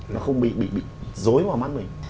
nó không bị dối vào mắt mình